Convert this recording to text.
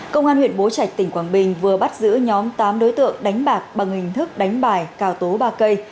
công an huyện bố trạch tỉnh quảng bình vừa bắt giữ nhóm tám đối tượng đánh bạc bằng hình thức đánh bài cào tố ba cây